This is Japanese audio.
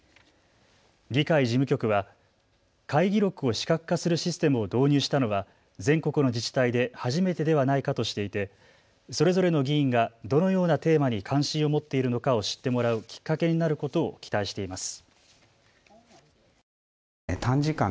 議会事務局は会議録を視覚化するシステムを導入したのは全国の自治体で初めてではないかとしていてそれぞれの議員がどのようなテーマに関心を持っているのかを知ってもらうきっかけになることを期待しています。